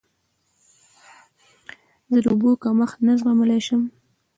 زه د اوبو کمښت نه زغملی شم.